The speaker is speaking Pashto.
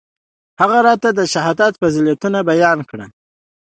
هغه راته د شهادت فضيلتونه بيان کړل.